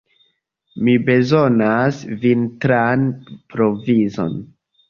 Mi bezonas vintran provizon.